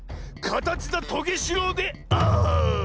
かたちだトゲしろうである。